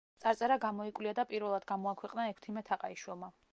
წარწერა გამოიკვლია და პირველად გამოაქვეყნა ექვთიმე თაყაიშვილმა.